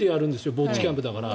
ぼっちキャンプだから。